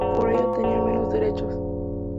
Por ello tenían menos derechos.